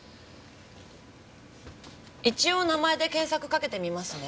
一応名前で検索かけてみますね。